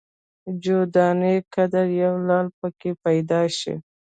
جو دانې قدر یو لعل په کې پیدا شي.